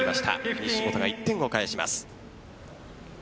西本が１点を返します。